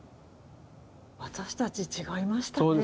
私たち違いましたねえ。